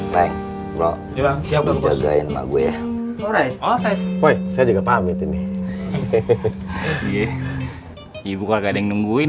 lho siap menjaga emak gue ya oke gue saya juga pamit ini ibu kagak ada yang nungguin